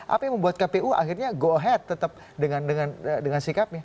apa yang membuat kpu akhirnya go ahead tetap dengan sikapnya